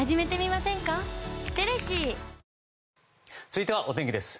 続いてはお天気です。